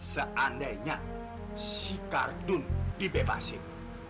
seandainya si karjun dibebasin